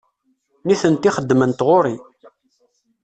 Nitenti xeddment ɣer-i.